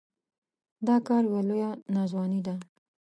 دا کار يوه لويه ناځواني ده.